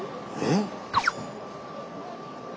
えっ！